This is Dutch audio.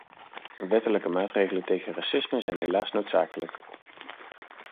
Wettelijke maatregelen tegen racisme zijn helaas noodzakelijk.